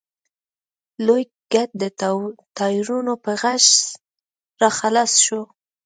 لوی ګټ د ټايرونو په غژس راخلاص شو.